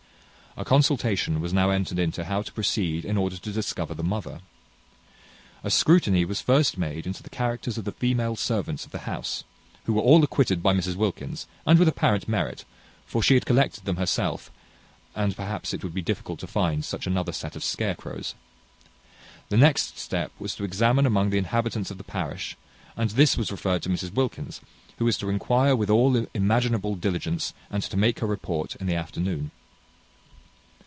A consultation was now entered into how to proceed in order to discover the mother. A scrutiny was first made into the characters of the female servants of the house, who were all acquitted by Mrs Wilkins, and with apparent merit; for she had collected them herself, and perhaps it would be difficult to find such another set of scarecrows. The next step was to examine among the inhabitants of the parish; and this was referred to Mrs Wilkins, who was to enquire with all imaginable diligence, and to make her report in the afternoon.